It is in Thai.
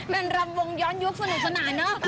มันรำวงย้อนยุคสนุกสนานเนอะ